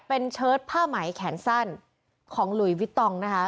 เป็นเชิดผ้าไหมแขนสั้นของหลุยวิตองนะคะ